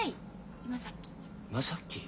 今さっき？